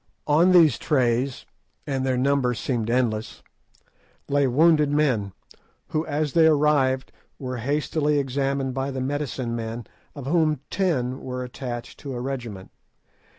On these trays—and their number seemed endless—lay wounded men, who as they arrived were hastily examined by the medicine men, of whom ten were attached to a regiment.